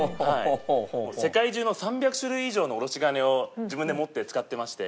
世界中の３００種類以上のおろし金を自分で持って使ってまして。